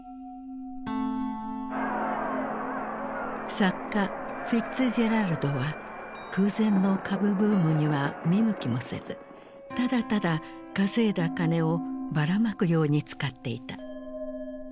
作家フィッツジェラルドは空前の株ブームには見向きもせずただただ稼いだ金をばらまくように使っていた。